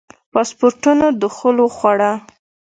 پاسپورټونو دخول وخوړه.